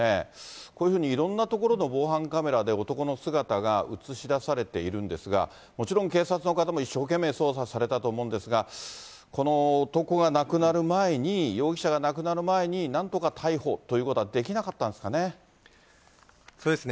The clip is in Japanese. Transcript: こういうふうにいろんな所の防犯カメラで男の姿が写し出されているんですが、もちろん警察の方も一生懸命捜査されたと思うんですが、この男が亡くなる前に、容疑者が亡くなる前に、なんとか逮捕ということはできなかったんですかね。